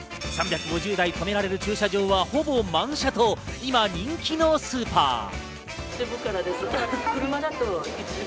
３５０台停められる駐車場はほぼ満車と今、人気のスーパー。